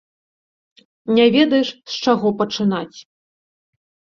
Не ведаеш, з чаго пачынаць.